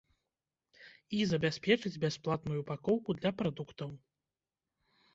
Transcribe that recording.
І забяспечыць бясплатную упакоўку для прадуктаў.